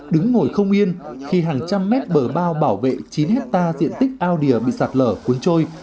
đứng ngồi không yên khi hàng trăm mét bờ bao bảo vệ chín hectare diện tích ao đìa bị sạt lở cuốn trôi